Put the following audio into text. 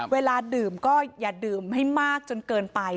เวลาดื่มก็อย่าดื่มให้มากจนเกินไป